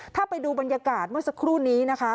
ถ้าไปดูบรรยากาศเมื่อสักครู่นี้นะคะ